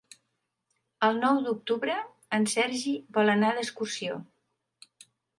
El nou d'octubre en Sergi vol anar d'excursió.